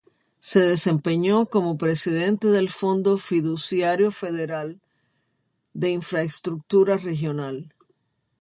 Se desempeñó como Presidente del Fondo Fiduciario Federal de Infraestructura Regional.